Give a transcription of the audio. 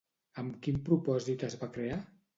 Amb quin propòsit es va crear?